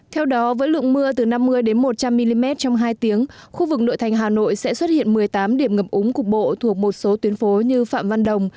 theo đó với lượng mưa từ năm mươi một trăm linh mm trong hai tiếng khu vực nội thành hà nội sẽ xuất hiện một mươi tám điểm ngập úng cục bộ thuộc một số tuyến phố như phạm văn đồng